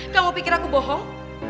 kamu pikir aku bohong